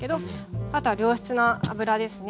あとは良質な油ですね。